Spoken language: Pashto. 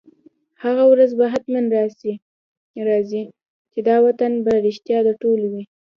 هغه ورځ به حتماً راځي، چي دا وطن به رشتیا د ټولو وي